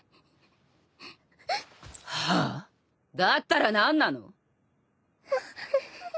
蓮だったら何なの？